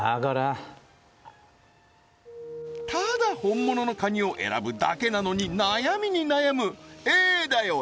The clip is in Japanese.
ただ本物のカニを選ぶだけなのに悩みに悩むＡだよ